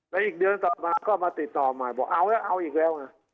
และอีกเดือนถัดมาก็มาติดต่อใหม่บอกเอาแล้วเอาอีกแล้วไง